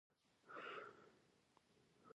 یوازې دا وېره را سره وه، چې اوس به د ونو له منځه.